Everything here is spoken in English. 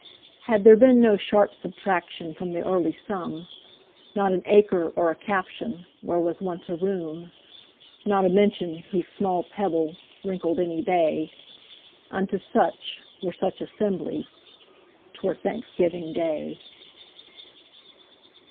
Had there been no sharp subtractionFrom the early sum, Not an acre or a captionWhere was once a room, Not a mention, whose small pebbleWrinkled any bay,—Unto such, were such assembly,'T were Thanksgiving day.